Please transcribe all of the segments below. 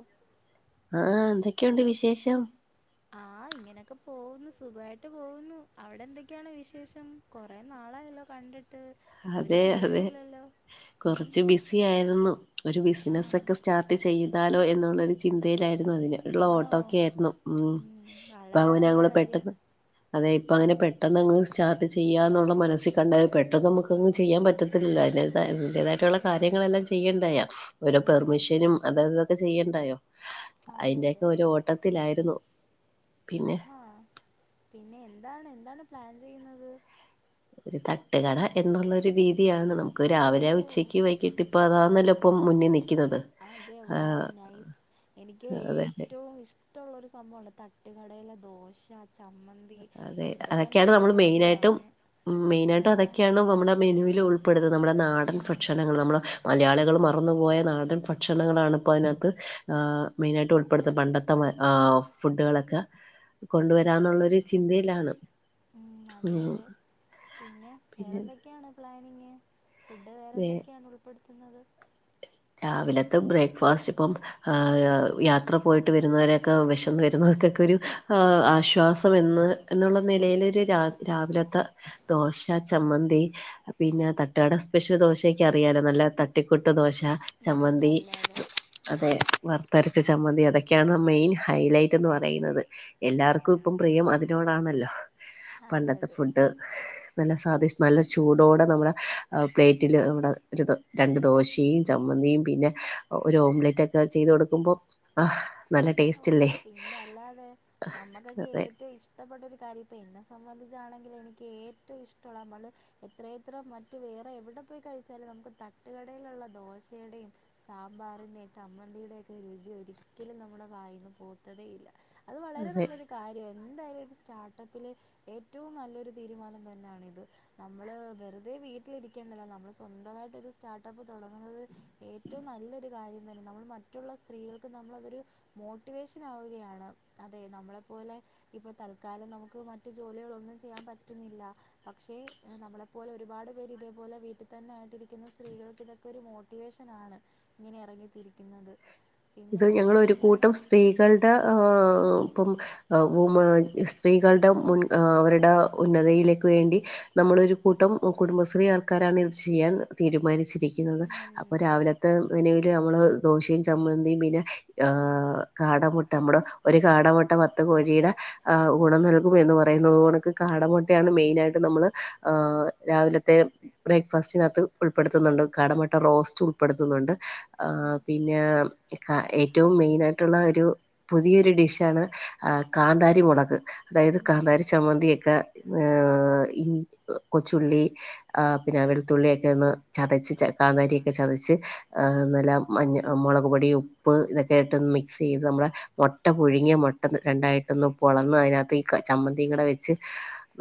ഓ ആഹ് എന്തൊക്കെയുണ്ട് വിശേഷം ആഹ് ഇങ്ങനൊക്കെ പോകുന്നു സുഖമായിട്ട് പോകുന്നു അവിടെ എന്തൊക്കെയാണ് വിശേഷം കൊറെ നാളായല്ലോ കണ്ടി അതെ അതെ ഉം, കുറച്ച് ബിസി ആയിരുന്നു ഒരു ആ ബിസിനെസ്സ് ഒക്കെ സ്റ്റാർട്ട് ചെയ് താലോ എന്നുള്ളരു ചിന്തയിലായി രുന്നു അതിനുള്ള ആണോ ഓട്ടോ ഒക്കെ ആയിരുന്നു ഉം ഇപ്പൊ വളരെ അതെല്ലാം നല്ല കൂടെ കാര്യം പെട്ടന്ന് അതെയിപ്പൊ ഉം, അങ്ങനെ പെട്ടന്നങ്ങ് സ്റ്റാർട്ട് ചെ ചെയ്യാ എന്നുള്ള മനസ്സിൽ കണ്ടാലു പെട്ടെന്നമക്ക് ഇപ്പൊങ് ചെയ്യാൻ പറ്റത്തില്ലല്ല അതി പറ്റത്തില്ല നതിൻ്റെതായിട്ടുള്ള കാര്യങ്ങളെല്ലാം ചെയ്യണ്ടായൊ ഒരു ഉം, അതെ അതെ പെർമിഷനും അതായതൊക്കെ ചെയ്യണ്ടായോ അതെ അതെ അതിന്റെയൊക്കെ ഒരു ഓട്ടത്തിലായിരുന്നു പിന്നെ ആഹാ പിന്നെ എന്താണ് എന്താണ് എന്താണ് പ്ലാൻ ചെയ്യുന്നത് തട്ടുകട എന്നുള്ളരു രീ തിയാണ് നമുക്ക് രാവിലെ ഓ ഉച്ചക്ക് വൈകിട്ട് ഇപ്പ അതാന്നല്ലോ ഇപ്പം മുന്നിൽ നി അതെ വാഹു നൈസ് എനിക്ക് അതെ അതെ ഏറ്റവും ഇഷ്ടള്ളൊരു സംഭവണ് തട്ടുകടയില ദോശ ചമ്മന്തി അതെ ഓ ഇപ്പൊ തന്നെ അതൊക്കെയാണ് എനിക്ക് നമ്മൾ മെയിൻ ആയിട്ടും കൊതിയാവുന്നു മെയിൻ ആ ആയിട്ടും അതൊക്കെയാണ് നമ്മുടെ മെനുവിൽ ഉൾ പ്പെടുന്നത് നമ്മുടെ നാടൻ ആ ഭക്ഷണങ്ങൾ നമ്മള് മലയാളികൾ മറന്നുപോയ നാടൻ ഭക്ഷണങ്ങളാണിപ്പോ അതിനകത്ത് ആ മെയിൻ ആയിട്ട് ഉൾപ്പെടുത്ത പണ്ടത്തെ മ ആ ഫുഡുകളൊക്കെ കൊണ്ടുവരാന്നുള്ളൊര് ചിന്തയിലാണ് ഉം അതെ ഉം അതെ പിന്നെ പിന്നെ വേറെന്തൊക്കെയാണ് പ്ലാൻ ഫുഡ് വേറെ വേ എന്തൊക്കെയാണ് ഉൾപ്പെടു ത്ത്ന്നത് രാവിലത്തെ ബ്രേക്ക്ഫാസ്റ്റ് ഇപ്പം യാത്ര പോയിട്ട് വരുന്നവരൊക്കെ വിശന്ന് വരുന്നവർക്കൊക്കെ ഒരു ആശ്വാസം എന്ന് എന്നുള്ള നിലയിലൊര് രാ രാവിലത്തെ ദോശ ചമ്മന്തി പിന്നെ തട്ടുകട സ്പെഷ്യൽ ദോശയൊക്ക അറിയാലോ നല്ല തട്ടി പുട്ട് ദോശ ഉം ചമ്മന്തി പിന്നല്ലാതെ ഉം അതെ വർത്തരച്ച ചമ്മന്തി അതൊ ക്കെയാണ് മെയിൻ ഹൈലൈറ്റ് എന്ന് പറയുന്നത് എല്ലാവർക്കും ഇപ്പം പ്രിയം അതിനോടാണല്ലോ അതെ പണ്ടത്തെ അതെ ഫുഡ് നല്ല സാദിശ് നല്ല ചൂടോടെ നമ്മുടെ പ്ലേറ്റില് നമ്മുടെ ഒരു ത് രണ്ട് ദോശീ ചമ്മന്തിയും പിന്നെ ഒരു ഓംലെറ്റ് ഒക്കെ ചെയ്ത് കൊടുക്കുമ്പം ആ ഓ പിന്നെ അല്ലാതെ നമ്മക്കൊക്കെ അതെ ഏറ്റവും ഇഷ്ടപ്പെട്ടരു കാര്യം ഇപ്പൊ എൻഎസ് സംബന്ധിച്ചാണെങ്കിൽ എനിക്ക് ഏറ്റവും ഇഷ്ടമുള്ള നമ്മള് എത്ര എത്ര മറ്റ് വേറെ എവിടെ പോയി കഴിച്ചാലും നമുക്ക് തട്ടുകടയിലുള്ള ദോശയുടെയും സാമ്പാറിന്റെയും ചമ്മന്തിയുടെ ഒക്കെ രുചി ഒരിക്കലും നമ്മള് വായിന്നു പോത്തതേ ഇല്ല അത് വളരെ അതെ നല്ലൊരു കാര്യയിരു എന്തായാലും സ്റ്റാർട്ടപ്പില് ഏറ്റവും നല്ലൊരു തീരുമാനം തന്നെയാണിത് നമ്മള് വെറുതെ വീട്ടിലിരിക്കേണ്ടല്ലോ നമ്മള് സ്വന്തമായിട്ടൊരു സ്റ്റാർട്ടപ്പ് തുടങ്ങുന്നത് ഏറ്റവും നല്ലൊരു കാര്യം നമ്മൾ മറ്റുള്ള സ്ത്രീകൾക്ക് നമ്മളതൊരു മോട്ടിവേഷൻ ആവുകയാണ് അതെ നമ്മളെപ്പോലെ ഇപ്പോ തൽക്കാലം നമുക്ക് മറ്റു ജോലികളൊന്നും ചെയ്യാൻ പറ്റുന്നില്ല പക്ഷേ നമ്മളെപ്പോലെ ഒരുപാട് പേര് ഇതേപോലെ വീട്ടിൽ തന്നെ ആയിട്ടിരിക്കുന്ന സ്ത്രീകൾക്ക് ഇതൊക്കെ ഒരു മോട്ടിവേഷൻ ആണ് ഇങ്ങനെ ഇറങ്ങിത്തിരിക്കുന്നത് പിന്നെ ഇത് ഞങ്ങളൊരു വേറെന്താണ് കൂട്ടം സ്ത്രീകളുടെ ഇപ്പം സ്ത്രീകളുടെ ആണോ മുൻ അവരുടെ ഉന്നതിയിലേക്ക് വേണ്ടി നമ്മളൊരു കൂട്ടം കുടുംബശ്രീ ആൾക്കാരാണ് ഇത് ചെയ്യാൻ തീരുമാനിച്ചതേ കിണറ് അപ്പൊ ഉം രാവിലത്തെ നിനവില് നമ്മള് ദോശയും ചമ്മ പിന്നെ കാടമുട്ട നമ്മുടെ ഒരു കാടമുട്ട പത്ത് കോഴിയുടെ ആ ഗുണം നൽകും എന്ന് പറയുന്നോൺക്ക്‌ കാടമുട്ടയാണ് മെയിന ആയിട്ട് നമ്മള് രാവിലത്തെ ബ്രേക്ഫാസ്റ്റിനകത്ത് ഉൾപ്പെടുത്തുന്നുണ്ട് കാടമുട്ട റോസ്റ്റ് ഉൾപ്പെടുത്തുന്നുണ്ട് ആ ഉം പിന്നേ ഏറ്റവും മെയിൻ ആയിട്ടുള്ള ഒരു പുതിയൊരു ഡിഷ് ആണ് കാന്താരി മുളക് അതായത് ഉം കാന്താരി ചമ്മന്തിയൊക്ക ഏ കൊച്ചുള്ളി പിന്നെ വെളുത്തുള്ളിയൊക്കന്ന് ചതച്ച് കാന്താരിയൊക്ക ചതച്ച് നല്ല മഞ്ഞ മുളക് പൊടിയും ഉപ്പ് ഇതൊക്കെ ഇട്ടന്ന് മിക്സ് ചെയ്ത് നമ്മുടെ മുട്ട പുഴുങ്ങിയ മുട്ട രണ്ടായിട്ടൊന്ന് പൊളന്ന് അതിനകത്തേക്ക് ചമ്മന്തി കൂടെ വെച്ച്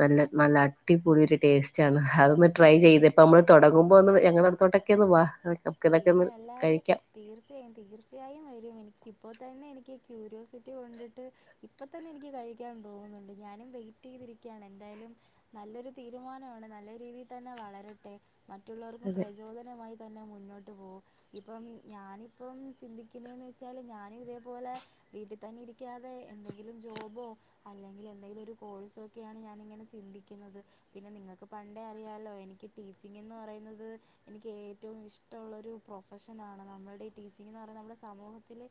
നല്ല നല്ല അടിപൊളി ഒരു ടേസ്റ്റ് ആണ് അതൊന്ന് ട്രൈ ചെയ്ത് ഇപ്പ നമ്മള് തുടങ്ങുമ്പോ ഒന്ന് ഞങ്ങളടുത്തോട്ടൊക്ക ഒന്ന് വാ നമുക്ക് ഇതൊക്കെ ഒന്ന് പിന്നെ അല്ലാതെ കഴിക്കാം തീർച്ചയായും തീർ തീർച്ചയായും വരും എനിക്ക് ഇപ്പോ തന്നെ എനിക്ക് ക്യൂരിയോസിറ്റി കൊണ്ടിട്ട് ഇപ്പ തന്നെ എനിക്ക് കഴിക്കാൻ തോന്നുന്നുണ്ട് ഞാനും വെയിറ്റ് ചെയ്തിരിക്കാണ് എന്തായാലും നല്ലൊരു തീരുമാനമാണ് നല്ല രീതിയിൽ തന്നെ വളരട്ടെ മറ്റുള്ളവർക്കും അതെ പ്രചോദനമായി തന്നേ മുന്നോട്ട് പോ ഇപ്പം ഞാനിപ്പം ചിന്തിക്കുന്നേന്ന് വെച്ചാല് ഞാന് ഇതേപോലെ വീട്ടിൽ തന്നെ ഇരിക്കാതെ എന്തെങ്കിലും ജോബോ അല്ലെങ്കിൽ എന്തെങ്കിലും ഒരു കോഴ്സോ ഒക്കെയാണ് ഞാനിങ്ങനെ ചിന്തിക്കുന്നത് പിന്നെ നിങ്ങൾക്ക് പണ്ടേ അറിയാല്ലോ എനിക്ക് ടീച്ചിങ്ന്ന് പറയുന്നത് എനിക്ക് ഏറ്റവും ഇഷ് മുള്ളൊരു പ്രൊഫഷനാണ് നമ്മളുടെ ഈ ടീച്ചിങ് എന്ന് പറഞ്ഞ നമ്മുടെ സമൂഹത്തില്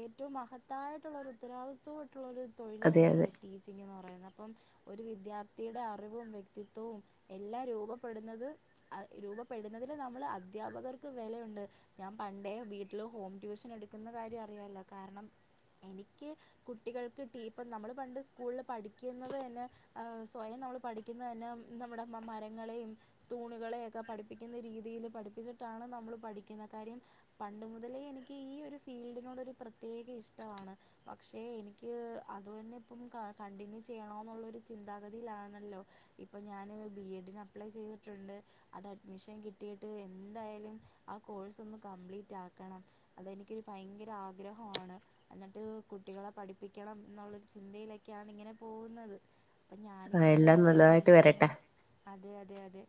ഏറ്റവും മഹത്തായിട്ടുള്ളരു ഉത്തരവാദിത്വവും മറ്റുള്ളൊരു തൊഴില് അതെ തന്ന അതെ നമ്മുടെ ടീച്ചിംങ് എന്ന് പറയുന്നത് അപ്പം ഒരു വിദ്യാർത്ഥിയുടെ അറിവും വ്യക്തിത്വവും എല്ലാം രൂപപ്പെടുന്നത് രൂപപ്പെടുന്നതില് നമ്മൾ അധ്യാപകർ വിലയുണ്ട് ഞാൻ പണ്ടേ വീട്ടിൽ ഹോം ട്യൂഷൻ എടുക്കുന്ന കാര്യം അറിയാല്ലോ കാരണം എനിക്ക് കുട്ടികൾക്ക്‌ ടീപ്പം നമ്മൾ പണ്ട് സ്കൂളിൽ പഠിക്കുന്നത് തന്നെ സ്വയം നമ്മൾ പഠിക്കുന്നത് തന്നെ നമ്മുടെ മ മരങ്ങളെയും തൂണുകളെ ഒക്കെ പഠിപ്പിക്കുന്ന രീതിയില് പഠിപ്പിച്ചി ട്ടാണ് നമ്മള് പഠിക്കുന്ന കാര്യം പണ്ട് മുതലേ എനിക്ക് ഈ ഒരു ഫീൽഡിനോട് ഒരു പ്രത്യേക ഇഷ്ടമാണ് പക്ഷേ എനിക്ക് അത് തന്നെ ഇപ്പം ക കണ്ടിന്യൂ ചെയ്യണോ ന്നുള്ളൊരു ചിന്താഗതിയിലാണല്ലോ ഇപ്പം ഞാന് ബി എഡിന് അപ്ലൈ ചെയ്തിട്ടുണ്ട് അത് അഡ്മിഷൻ കിട്ടിയിട്ട് എ എന്തായാലും ആ കോഴ്സ് ഒന്ന് കംപ്ലീറ്റ് ആക്കണം അതെനിക്കൊരു ഭയങ്കര ആഗ്രഹമാണ് എന്നിട്ട് കുട്ടികളെ പഠിപ്പിക്കണം എന്നുള്ളൊരു ചിന്തയിലേക്കാണ് ഇങ്ങനെ പോകുന്നത് ഞാന് ഇപ്പോ ആഹ് എല്ലാം അങ്ങനെയൊക്കെയാ നല്ലതായിട്ട് ചിന്തിക്കുന്നേ വരട്ടെ അതെ അത അത്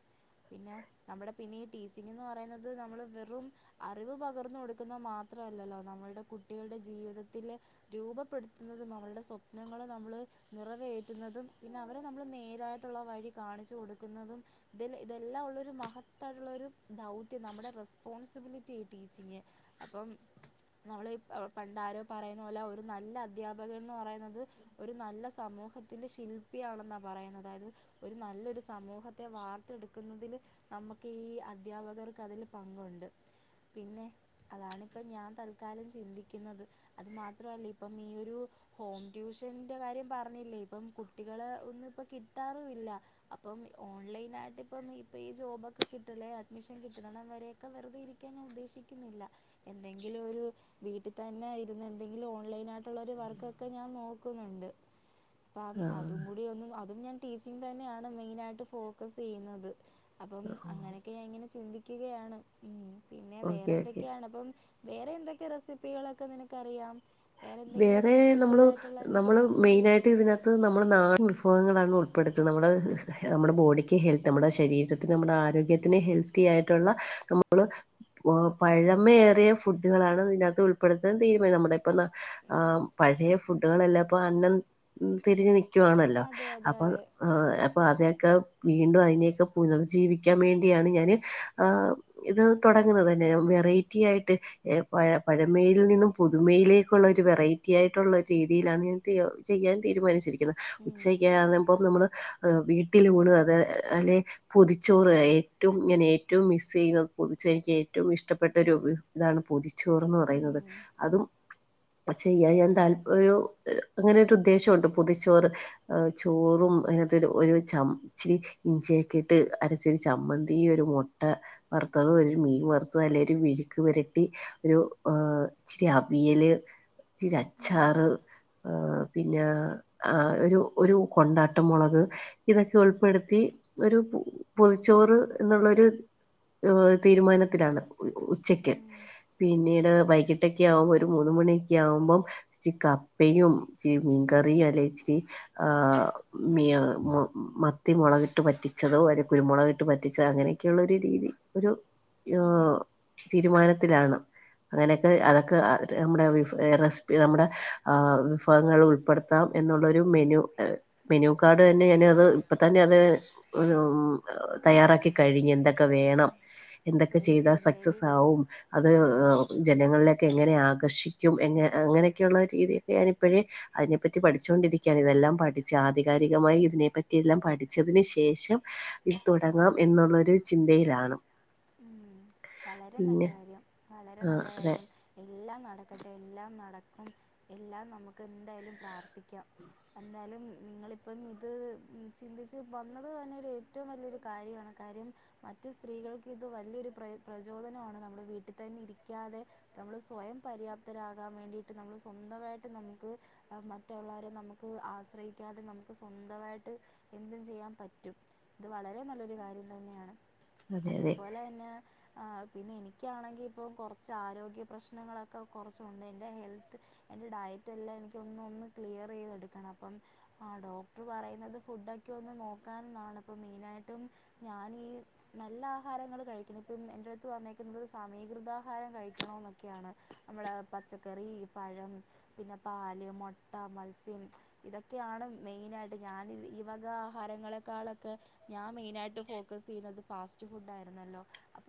പിന്നെ നമ്മളെ ഈ പീച്ചിങ് ന്ന് പറയുന്നത് നമ്മള് വെറും അറിവ് പകർന്ന് കൊടുക്കുന്നത് മാത്രമല്ലല്ലോ നമ്മളുടെ കുട്ടികളുടെ ജീവിതത്തില് രൂപപ്പെടുത്തുന്നതും അവള്ടെ സ്വപ്നങ്ങളെ നമ്മള് നിറവേറ്റുന്നതും അവര് നമ്മെ നേരായിട്ടുള്ള വഴി കാണിച്ച് കൊടുക്കുന്നതും ഇത് ഇതെല്ലാം ഉള്ളോരു മഹതായിട്ട് ഉള്ളോരു ദൗത്യം നമ്മടെ റെസ്പോൺസിബിലിറ്റി ഈ ടീച്ചിങ്ങ് അപ്പം നമ്മൾ പണ്ടാരോ പറയുന്ന പോലെ ഒരു നല്ല അധ്യാപകൻന്ന് പറയുന്നത് ഒരു നല്ല സമൂഹത്തിന്റെ ശില്പിയാണെന്നാ പറയുന്നത് അതായത് ഒരു നല്ലൊരു സമൂഹത്തെ വാർത്തെടുക്കുന്നതിൽ നമുക്ക് ഈ അദ്ധ്യാപകർക്ക് അതിൽ പങ്കുണ്ട് പിന്നെ അതാണിപ്പം ഞാൻ തൽക്കാലം ചിന്തിക്കുന്നത് അത് മാത്രല്ല ഇപ്പം ഈ ഒരു ഹോം ട്യൂഷന്റെ കാര്യം പറഞ്ഞില്ലേ ഇപ്പം കുട്ടികള ഒന്നും ഇപ്പം കിട്ടാറുല്ലാ അപ്പം ഓൺലൈനായിട്ട് ഇപ്പം ഇപ്പം ഈ ജോബൊക്കെ കിട്ടൂലെ അഡ്മിഷൻ കിട്ടുന്നണം വരെക്കെ വെറുതെ ഇരിക്കാൻ ഞാൻ ഉദ്ദേശിക്കുന്നില്ല എന്തെങ്കിലും ഒരു വീട്ടിൽ തന്നെ ഇരുന്ന് എന്തെങ്കിലും ഓൺലൈൻ ആയിട്ടുള്ളരു വർക്കൊക്കെ ഞാൻ നോക്കുന്നുണ്ട് അപ്പം ആഹ് അതും കൂടി ഒന്നും അതും ഞാൻ ടീച്ചിങ് തന്നെയാണ് മൈനായിട്ടു ഫോക്കസ് ചെയ്യുന്നത് അപ്പം അങ്ങന ഞാൻ ഇങ്ങനെ ചിന്തിക്കുകയാണ് ഉം പിന്നെ ഓക്കെ ഓക്കെ വേറേന്തൊക്കെയാണ് അപ്പം വേറെന്തൊക്കെ റെസിപ്പികളൊക്കെ നിനക്കറിയാം വേറെ എന്തെങ്കിലുമൊക്കെ നമ്മള് സ്പെഷ്യലായിട്ടുള്ള എന്തെങ്കിലും നമ്മള് റെസിപ്പീസ് മെയിനായിട്ട് ഇതിനകത്ത് നമ്മള് നാടൻ വിഭവങ്ങളാണ് ഉൾപ്പെടു [unintelligible] നമ്മള് നമ്മട ബോഡിക്ക് ഹെൽത്തി നമ്മട ശരീരത്തിന് നമ്മടെ ആരോഗ്യത്തിന് ഹെൽത്തി ആയിട്ടുള്ള നമ്മള് പഴമേറിയ ഫുഡുകളാണ് ഇതിനകത്ത് ഉൾപ്പെടുത്തൻ തീരുമ [unintelligible] ആ പഴയ ഫുഡുകളെല്ലാപ്പം അന്നം തിരിഞ്ഞു ന [inaudible] വാണല്ലോ അതെ അതെ അപ്പൊ അതെ അപ്പൊ അത ക്കാം വീണ്ടും അയിനെയൊക്കെ പുനർജീവിക്കാൻ വേണ്ടിയാണ് ഞാന് ആ ഇത് തൊടങ്ങുന്നത് തന്നെ വെറൈറ്റി ആയിട്ട് എ പഴമെയിൽ നിന്നും പുതുമയിലേക് ഫുള്ളൊരു വെറൈറ്റിയായിട്ടുള്ള രീതിയിലാണ് ഞാൻ ചെയ്യാൻ തീരുമാനിച്ചിരിക്കുന്നത് ഉം ഉച്ചഒക്കെ ആവുമ്പോ നമ്മള് വീട്ടിലൂണ് അത് അല്ലെ പൊതിച്ചോറ് ഏറ്റവുംങ്ങനെ ഏറ്റവും മിസ്സ് ചെയ്യുന്നത് പൊതിചോ എനിക്ക് ഏറ്റവും ഇഷ്ടപ്പെട്ട ഒരു ഇതാണ് പൊതിചോ ചോറ്ന്ന് പറയുന്നത് ഉം അതും പക്ഷൊ ഞാൻ [inaudible] അങ്ങനെരു ഉദ്ദേശണ്ട് പൊതിച്ചോറ് ചോറും അയിനാത്തു ഒരു ചിരി ഇഞ്ചിഒക്കെ ഇട്ട് അരച്ചിരി ചമ്മന്തി ഒരു മുട്ട വറുത്തത് ഒരു മീൻ വറുത്തത് അല്ലെ ഒരു വിഴുക്ക് വരട്ടി ഒരു ഇച്ചരി വിയല് ഇച്ചിരി ഉം അച്ചാറ് ആ പിന്നെ ആ ഒരു ഒരു കൊണ്ടാട്ടംമൊ ളക് ഇതൊക്കെ ഉൾപ്പെടുത്തി ഒരു പൊതിച്ചോറന്നുള്ളരു തീരുമാനത്തിലാണ് ഉ ഉച്ചക്ക് ഉം പിന്നെ വൈകിട്ടൊക്കെ ആവുമ്പോ ഒരു മൂന്ന് മണിക്കെആകുമ്പോ ഇച്ചി കപ്പയും ഇച്ചി മീൻകറിയും അല്ലേ ഇച്ചിരി മ മത്തി മുളക ഇട്ട് പറ്റിച്ചതോ അല്ല കുരുമുളകിട്ട് പറ്റിച്ചതോ അങ്ങനെയൊക്കെയള്ള ഒരു രീതി ഒരു തീരുമാനത്തിലാണ് അങ്ങനെയൊക്കെ അതൊക്കെ നമ്മുടെ റെസിപ്പി നമ്മുടെ വിഭവങ്ങൾ ഉൾപ്പെടുത്താം എന്നുള്ളരു മെനു മെനു കാർഡ് തന്നെ ഞൻ അത് ഇപ്പ തന്നെ അത് തയ്യാറാക്കി കഴിഞ്ഞ വേണം എന്തൊക്കെ വെരി ചെയത ഗുഡ് വെരി സക്സസ് ആവും അത് ഗുഡ് ജനങ്ങളില ക്കെ എങ്ങനെ ആക്ക കർഷിക്കും എങ്ങ അങ്ങനെയൊക്കെയുള്ള രീതി ക്കെ ഞാനിപ്പോഴേ അതിനെ പറ്റി പഠിച്ചുകൊണ്ടിരിക്കയാണ് ഇതെല്ലാം പഠിച്ചു ആധികാരികമായി ഇതിനെ പറ്റി എല്ലാം പഠിച്ചതിനന് ശേഷം ഇത് തുടങ്ങാം എന്നുള്ളരു ചിന്തയിലാണ് ഉം. വളരെ നല്ല പിന്നെ കാര്യം വളരെ ആ നല്ല അതെ കാര്യം എല്ലാം നടക്കട്ടെ എല്ലാം നടക്ക അപ്പം എല്ലാം നമുക്ക് എന്തായാലും പ്രാർത്ഥിക്കാം എന്തായാലും നിങ്ങളിപ്പം ഇത് ചിന്തിച്ച് വന്നതന്നെ ഒരു ഏറ്റവും വലിയൊരു കാര്യമാണ് കാര്യം മറ്റ് സ്ത്രീകൾക്ക് ഇത് വലിയൊരു പ്രയ പ്രചോദനമാണ് നമ്മൾ വീട്ടിൽ തന്നെ ഇരിക്കാതെ നമ്മൾ സ്വയം പര്യാപ്തരാകാൻ വേണ്ടിയിട്ട് നമ്മൾ സ്വന്തമായിട്ട് നമുക്ക് മറ്റുള്ളരെ നമുക്ക് ആശ്രയിക്കാതെ നമുക്ക് സ്വന്തമായിട്ട് എന്തും ചെയ്യാൻ പറ്റും ഇത് വളരെ നല്ലൊരു കാര്യം തന്നെയാണ് അതെ അതെ അതേപോലെന്ന ആ, പിന്നെ എനിക്കാണെങ്കിൽ ഇപ്പം കുറച്ച് ആരോഗ്യ പ്രശ്നങ്ങളൊക്കെ കൊറച്ചൊണ്ട്. എൻ്റെ ഹെൽത്ത് എൻ്റെ ഡയറ്റ് എല്ലാം എനികൊന്ന് ഒന്ന് ക്ലിയർ ചെയ്തെടുക്കണം അപ്പം ആ ഡോക്ടർ പറയുന്നത് ഫുഡൊക്കെ ഒന്ന് നോക്കാനെന്നാണ് ഇപ്പം മെയിനായിട്ടും ഞാനീ നല്ല ആഹാരങ്ങൾ കഴിക്കണം ഇപ്പം എൻ്റെ അടുത്ത് പറന്നേക്ക നള്ള ഒരു സമീകൃതാഹാരം കഴിക്കണമ എന്നൊക്കെയാണ് നമ്മുടെ പച്ചക്കറി പഴം പിന്നെ പാല് മുട്ട മത്സ്യം ഇതൊക്കെയാണ് മെയിനായിട്ട് ഞാൻ ഈ വക ആഹാരങ്ങളെക്കാളൊെ ഞാൻ മെയിന ആയിട്ട് ഫോക്കസ് ചെയ്യുന്നത് ഫാസ്റ്റ് ഫുഡ് ആയിരുന്നല്ലോ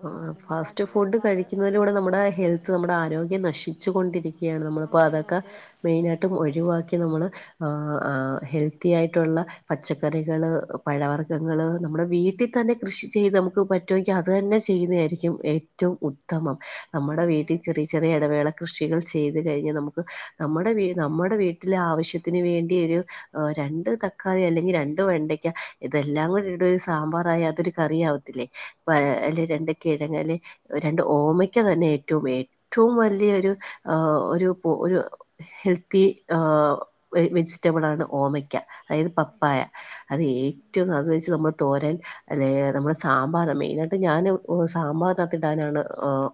ആ ഫാസ്റ്റ് ഫുഡ് കഴിക്കുന്നതിലൂടെ അതെ നമ്മുടെ അതെ ഹെൽത്ത് നമ്മുടെ ആരോഗ്യം നശിച്ചു കൊണ്ടിരിക്കും ക്കയാണ് നമ്മളിപ്പോ അതെ അതെ അതൊക്കെ അതെ മെയിന ആായിട്ടും ഒഴിവാക്കി നമ്മള് ആ ആ ഹെൽത്തി ആയിട്ടുള്ള പച്ചക്കറികൾ പഴവർ ർഗങ്ങള് നമ്മുടെ വീട്ടിൽ തന്നെ കൃഷി ചെയ്ത് നമുക്ക് പറ്റുമെങ്കിൽ അതു തന്നെ ചെയ്യുന്നതായിരിക്കും ഏറ്റവും ഉത്തമം നമ്മുടെ അതെ വീട്ടിൽ ചെറിയ ചെറിയ ഇടവേള കൃഷികൾ ചെയ്ത് കഴിഞ്ഞൽ നമുക്ക് നമ്മുടെ നമ്മുടെ വീട്ടിലെ ആവശ്യത്തിന് വേണ്ടി ഒരു രണ്ട് തക്കാളി അല്ലെങ്കിൽ രണ്ട് വെണ്ടയ്ക്ക അതെല്ലാം കൂടി ഇവിടെ ഒരു സാമ്പാറായി അതൊരു കറി ആവത്തില്ലേ ആ അതെ അല്ല രണ്ട് കെഴങ്ങാലെ രണ്ട് ഓമക്ക തന്നെ ഏറ്റവും ഏറ്റവും വലിയ ഒരു ഒരു ഒരു ഹെൽത്തി ആ വെജിറ്റബിൾ ആണ് ഓമക്ക അതായത് അതെ അതെ പപ്പായ അത് ഏ ഉം. പ്രത്യേകിച്ച് നമ്മൾ തോരൻ അല്ലെ നമ്മുടെ സാമ്പാറാ മെയിനായിട്ടും ഞാനും സാമ്പാറിനകത്തിടാനാണ്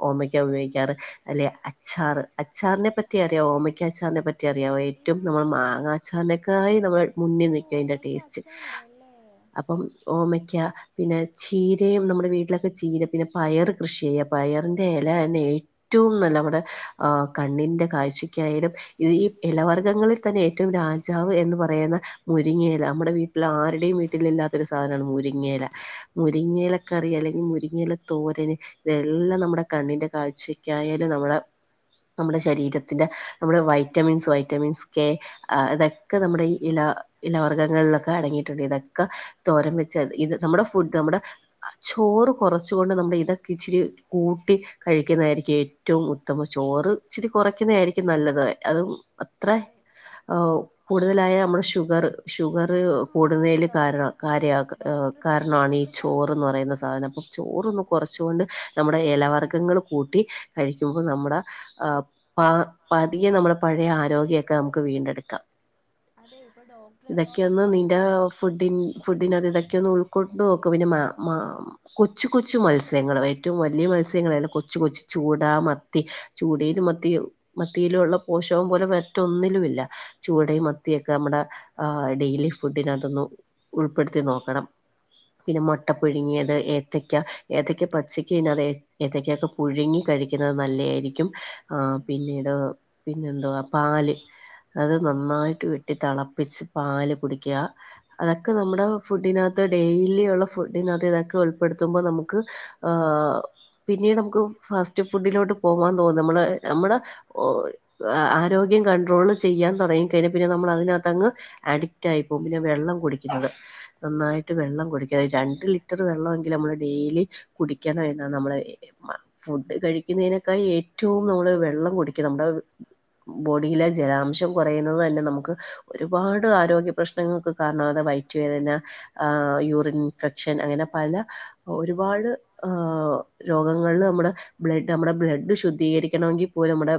ഓമയ്ക്ക ഉപയോഗിക്കാറ് അല്ലെ അച്ചാറ് അച്ചാറിനെ പറ്റി അറിയാവോ ഓമയ്ക്ക അച്ചാറിനെ പറ്റി അറിയാവോ ഏറ്റവും ആഹ് നമ്മൾ ഇല്ല ഇല്ല. മാങ്ങാ അച്ചാറിനക്കായും നമ്മള് ഓ മുന്നിൽ നി നിക്കതിന്റെ ഓമയ്ക്ക ടേസ്റ്റ് അച്ചാറിടും അല്ലേ? അപ്പം ഓമയ്ക്ക പിന്നെ ചീരയും നമ്മുടെ വീട്ടിലൊക്കെ ചീര പിന്നെ പയറ് കൃഷി ചെയ്യാ പയറിന്റെ ഇല തന്നെ ഏറ്റവും നല്ല നമ്മുടെ ആ കണ്ണിന്റെ കാഴ്ചയ്ക്കായാലും ഈ ഇലവർഗ്ഗങ്ങളിൽ തന്നെ ഏറ്റവും രാജാവ് എന്ന് പറയുന്ന മുരിങ്ങയിയ നമ്മുടെ വീട്ടിൽ ആര യും വീട്ടിലില്ലാത്ത ഒരു സാധനമാണ് മുരിങ്ങയില മുരിങ്ങയിലക്കറി അല്ലെങ്കിൽ മുരിങ്ങയില തോരൻ വെള്ളം നമ്മുടെ കണ്ണിന്റെ കാഴ്ചയ്ക്കായാലും നമ്മുടെ നമ്മുടെ ശരീരത്തിന്റെ നമ്മുടെ വൈറ്റമിൻസ് വൈറ്റമിൻസ് കെ ആ ഇതൊക്കെ നമ്മുടെ ഇല ഇലവർഗങ്ങളിലൊക്കെ അടങ്ങിയി ട്ടുണ്ട് ഇതൊക്കെ തോരൻ വച്ച് ഇത് നമ്മുടെ ഫുഡ് നമ്മുടെ ചോറ് കുറച്ചുകൊണ്ട് നമ്മുടെ ഇതൊക്കെ ഇച്ചിരി കൂട്ടി കഴിക്കുന്നതായിരിക്കും ഏറ്റവും ഉത്തമം ചോറ് ഇച്ചിരി കുറക്കുന്നതായിരിക്കും നല്ലത് അതും അത്ര അതെ കൂടുതലായാ നമ്മുടെ ഷുഗറ് ഷുഗറ് അതാ അതെ അതെ [unintelligible] കാരണാ ഡോക്ടർ ഇപ്പം കാര്യാക്കാ ഡോക്ടർ ഇപ്പം അത് കാരണാണ് ഈ എന്നോട് ചോറെന്ന് പറഞ്ഞു. പറയുന്ന സാധനം ചോറൊന്ന് അതെ കുറച്ചുകൊണ്ട് നമ്മുടെ ഇലവർഗങ്ങൾ കൂട്ടി കഴിക്കുമ്പോൾ നമ്മുടെ ആ പ പതിയെ നമ്മുടെ പഴയ ആരോഗ്യൊക്കെ നമുക്ക് വീണ്ടെടുക്കാം അതെ ഇപ്പൊ ഡോക്ടർ എന്നോടത് പറ ഓ ഫുഡ്ഢിൻ ഫുഡിനകത്തു ഇതൊക്കെയൊന്ന് ഉൾക്കൊ നോക്കും പിന്നെ മാ മാ കൊച്ചു കൊച്ചു മത്സ്യങ്ങള് ഏറ്റവും വലിയ മത്സ്യോന്നും വേണ്ട കൊച്ച് കൊച്ച് ചൂട, മത്തി ചൂടയിലും, മത്തി മത്തിയിലുമുള്ള പോഷകം പോലെ മറ്റൊന്നിലുമില്ല ചൂടയും മത്തിയും ഒക്കെ നമ്മുടെ ഡെയിലി ഫുഡിനകത്തൊന്ന് ഉൾപ്പെടുത്തി നോക്കണം പിന്നെ മുട്ട അതെ അതെ പുഴുങ്ങിയത് അതെ ഏത്തക്ക ഏത്തക്ക പച്ചയ്ക്ക്‌ തിന്ന വേ ഏത്തക്കയൊക്കെ പുഴുങ്ങി കഴിക്കുന്നത് നല്ല ആയിരിക്കും ആ ഉം. പിന്നീട് പിന്നെ എന്താ പാല് അത് നന്നായിട്ട് വെട്ടി തെളപ്പിച്ച് പാല് കുടി ക്കുക അതൊക്കെ നമ്മുടെ ഫുഡിനകത്ത് ഡെയിലി ഉള്ള ഫുഡിനകത്ത് ഇതൊക്കെ ഉൾപ്പെടുത്തുമ്പോൾ നമുക്ക് പിന്നെ നമുക്ക് ഫാസ്റ്റ് ഫുഡിലോട്ട് പോവാൻ തോന്നും നമ്മള് നമ്മുടെ ആരോഗ്യം കണ്ട്രോള് ചെയ്യാൻ തുടങ്ങി കഴിഞ്ഞാ പിന്നെ നമ്മൾ അതിനകത്തങ്ങ് അഡി ക്റ്റായി പോകും പിന്നെ വെള്ളം കുടിക്കുന്നത് നന്നായിട്ട് വെള്ളം കുടിക്കുക രണ്ട് ലിറ്റർ വെള്ളമെങ്കിലും നമ്മള് ഡെയിലി കുടിക്കണം എന്നാണ് നമ്മുടെ ഫുഡ് കഴിക്കുന്നതിനേക്കാൾ ഏറ്റവും നമ്മള് വെള്ളം കുടിക്കണം ബോഡിയിലെ ജലാംശം കുറയുന്നത് തന്നെ നമുക്ക് ഒരുപാട് ആരോഗ്യ പ്രശ്നങ്ങൾക്ക് കാരണമാകും വൈറ്റുവേദന ആ യൂറിൻ ഇൻഫെക്ഷൻ അങ്ങനെ പല ഒരുപാട് രോഗങ്ങളില് നമ്മുടെ ബ്ലഡ് നമ്മുടെ ബ്ലഡ് ശുദ്ധീകരിക്കണമെങ്കിൽ പോലും നമ്മുടെ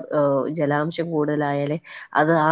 ജലാംശം കൂടുതലായാലേ അത് ആ